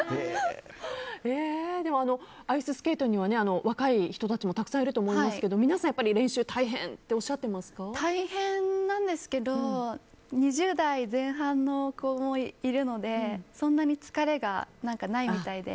アイススケートには若い人たちもたくさんいると思いますが皆さん練習は大変と大変なんですけど２０代前半の子もいるのでそんなに疲れがないみたいで。